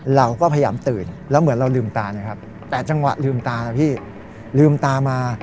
เราก็พยายามตื่นแล้วเหมือนเราลืมตานะครับแต่จังหวะลืมตานะพี่ลืมตามา